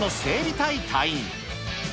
隊隊員。